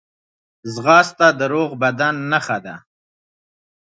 ځغاسته د روغ بدن نښه ده